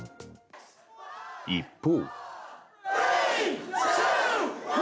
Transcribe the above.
一方。